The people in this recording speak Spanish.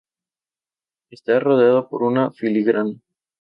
Está rodeada por una filigrana.